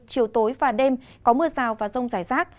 chiều tối và đêm có mưa rào và rông rải rác